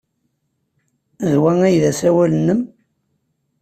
D wa ay d asawal-nnem?